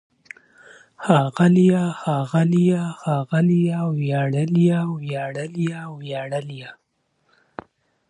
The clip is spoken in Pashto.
ښاغلی، ښاغلي، ښاغلې! وياړلی، وياړلي، وياړلې!